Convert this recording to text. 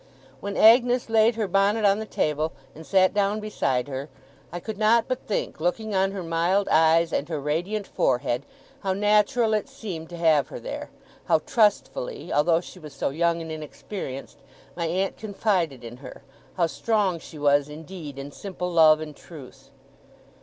When Agnes laid her bonnet on the table, and sat down beside her, I could not but think, looking on her mild eyes and her radiant forehead, how natural it seemed to have her there; how trustfully, although she was so young and inexperienced, my aunt confided in her; how strong she was, indeed, in simple love and truth.